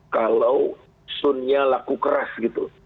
kalau sunnya laku keras gitu